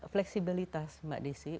fleksibilitas mbak desi